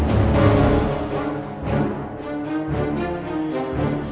ibu ini bener bener jahat